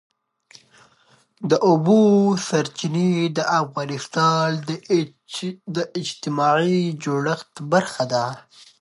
د اوبو سرچینې د افغانستان د اجتماعي جوړښت برخه ده.